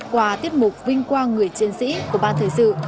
qua tiết mục vinh quang người chiến sĩ của ban thời sự